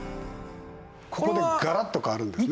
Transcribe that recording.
ここでガラッと変わるんですね。